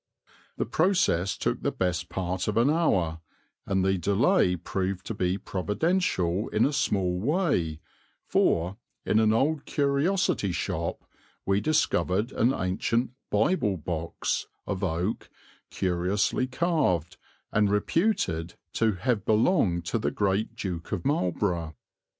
The process took the best part of an hour, and the delay proved to be providential in a small way for, in an old curiosity shop, we discovered an ancient "Bible box," of oak, curiously carved, and reputed to have belonged to the great Duke of Marlborough.